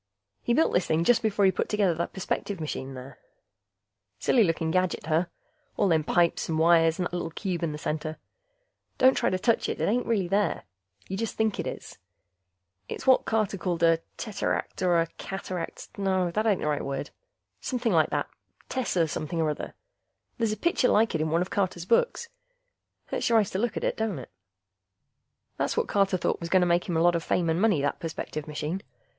He built this thing just before he put together the perspective machine there. Silly looking gadget, huh? All them pipes and wires and that little cube in the center ... don't try to touch it, it ain't really there. You just think it is. It's what Carter called a teteract, or a cataract ... no, that ain't the right word. Somepin' like that tesser something or other. There's a picture like it in one of Carter's books. Hurts your eyes to look at it, don't it? That's what Carter thought was going to make him a lot of fame and money, that perspective machine.